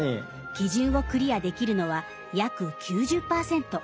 基準をクリアできるのは約９０％。